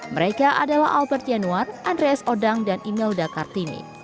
mereka adalah albert yanuar andreas odang dan imelda kartini